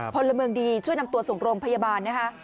พลเมืองดีช่วยนำตัวส่งโรงพยาบาลนะคะ